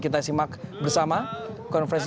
iya biar keren dong